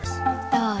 どうぞ。